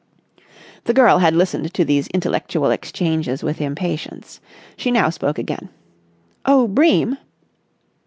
The girl had listened to these intellectual exchanges with impatience. She now spoke again. "Oh, Bream!"